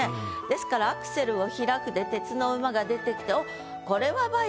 ですから「アクセルを開く」で「鉄の馬」が出てきておっ